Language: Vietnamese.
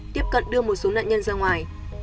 tiếp cận đưa một số nạn nhân ra ngoài